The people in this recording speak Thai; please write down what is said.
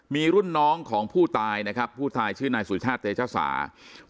มีรุ่นน้องของผู้ตายนะครับผู้ตายชื่อนายสุชาติเตชศาสตร์